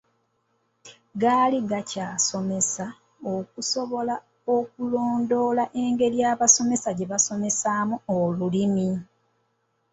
Gaali gakyasomesa okusobola okulondoola engeri abasomesa gye bakozesaamu Olulimi.